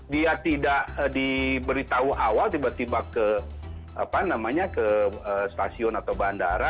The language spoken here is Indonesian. dia tidak diberitahu awal tiba tiba ke stasiun atau bandara